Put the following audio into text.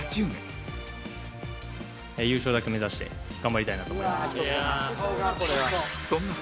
優勝だけ目指して頑張りたいなと思います。